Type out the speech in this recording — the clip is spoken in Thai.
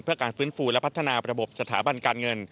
เพื่อการฟื้นฟูและพัฒนาระบบสถาบันการเงิน